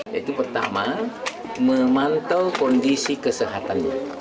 itu pertama memantau kondisi kesehatan